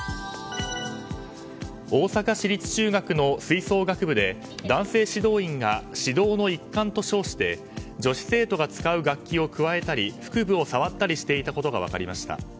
大阪市立中学の吹奏楽部で男性指導員が指導の一環と称して女子生徒が使う楽器をくわえたり腹部を触ったりしていたことが分かりました。